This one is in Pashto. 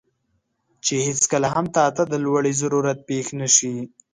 چې هیڅکله هم تاته د لوړې ضرورت پېښ نه شي،